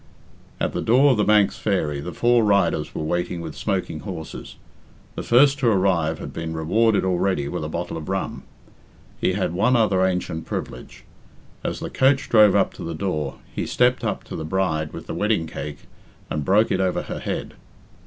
At the door of "The Manx Fairy" the four riders were waiting with smoking horses. The first to arrive had been rewarded already with a bottle of rum. He had one other ancient privilege. As the coach drove up to the door, he stepped up to the bride with the wedding cake and broke it over her head.